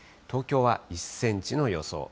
東京は１センチの予想。